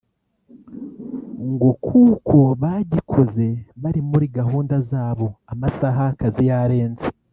ngo kuko bagikoze bari muri gahunda zabo amasaha y’akazi yarenze